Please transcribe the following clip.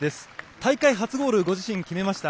大会初ゴールをご自身、決めました。